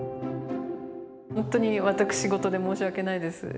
本当に私事で申し訳ないです。